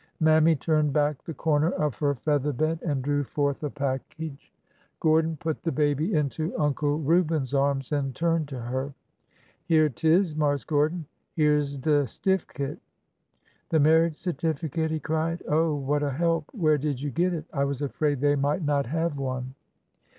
Mammy turned back the corner of her feather bed and drew forth a package. GORDON TAKES THE HELM 339 Gordon put the baby into Uncle Reuben's arms and turned to her. Here 't is, Marse Gordon— here 's de stiffkit." The marriage certificate ?" he cried. " Oh ! what a help! Where did you get it? I was afraid they might not have one."